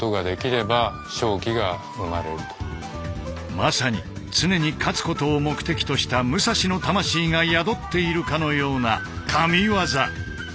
まさに常に勝つことを目的とした武蔵の魂が宿っているかのようなＫＡＭＩＷＡＺＡ。